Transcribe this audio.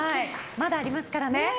まだありますからね。